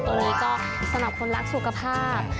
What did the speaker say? ตัวนี้ก็สำหรับคนรักสุขภาพ